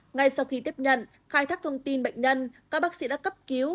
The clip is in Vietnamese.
ngay sau khi tiếp nhận khai thác thông tin bệnh nhân các bác sĩ đã cấp cứu